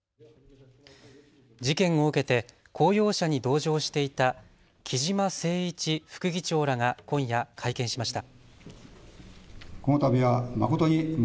事件を受けて公用車に同乗していた木嶋せい一副議長らが今夜、会見しました。